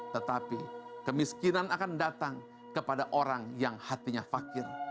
tetapi kemiskinan akan datang kepada orang yang hatinya fakir